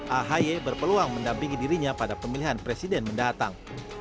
ahy berpeluang mendampingi dirinya pada pemilihan presiden mendatang